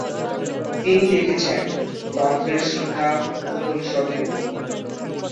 তিনি দেখেছেন, তন্ত্রের শিক্ষা উপনিষদের অনুরূপ।